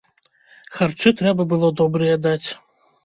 Харчы трэба было добрыя даць.